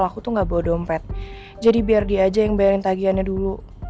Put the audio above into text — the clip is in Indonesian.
aku tuh gak bawa dompet jadi biar dia aja yang bayarin tagihannya dulu